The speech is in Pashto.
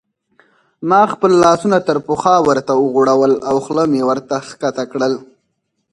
ما خپل لاسونه تر پخوا ورته وغوړول او خوله مې ورته کښته کړل.